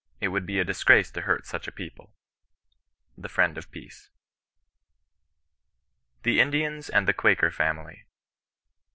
It would be a disgrace to hurt such a people.' "— 7%« Friend of Peace, THE INDIANS AND THE QUAKEB FAUILT.